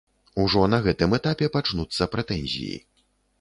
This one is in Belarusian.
Ужо на гэтым этапе пачнуцца прэтэнзіі.